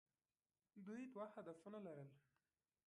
دوی دوه هدفونه لرل.